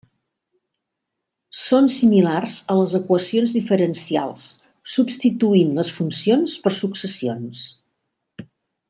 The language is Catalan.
Són similars a les equacions diferencials, substituint les funcions per successions.